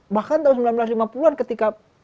bahkan tahun seribu sembilan ratus lima puluh an ketika